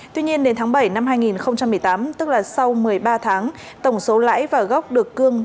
tuy nhiên đến tháng bảy năm hai nghìn một mươi tám tức là sau một mươi ba tháng tổng số lãi và gốc được cương